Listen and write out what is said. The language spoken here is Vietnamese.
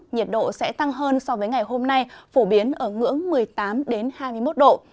nhiệt độ sẽ tăng hơn so với ngày hôm nay phổ biến ở ngưỡng một mươi tám hai mươi một độ